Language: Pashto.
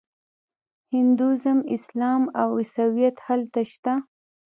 هندویزم اسلام او عیسویت هلته شته.